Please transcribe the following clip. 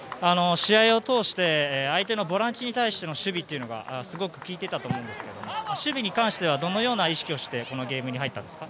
試合を通して相手のボランチに対しての守備がすごく効いていたと思いますが守備に関してはどのような意識をしてこのゲームに入ったんですか？